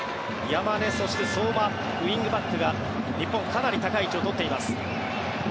山根そして相馬ウィングバックが日本、かなり高い位置を取っています。